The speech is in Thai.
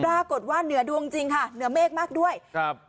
ปรากฏว่าเหนือดวงจริงค่ะเหนือเมฆมากด้วยครับ